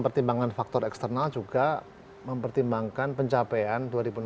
pertimbangan faktor eksternal juga mempertimbangkan pencapaian dua ribu enam belas